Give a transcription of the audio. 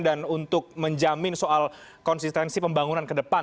dan untuk menjamin soal konsistensi pembangunan kedepan